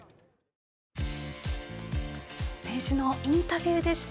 選手のインタビューでした。